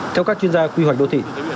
theo các chuyên gia quy hoạch đô thị